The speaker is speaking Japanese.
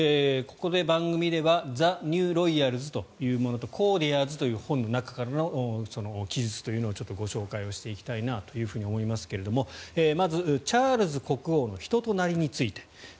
番組では「ザ・ニューロイヤルズ」というものと「コーティアーズ」という本の中からの記述というのをご紹介していきたいなと思いますがまず、チャールズ国王の人となりについて。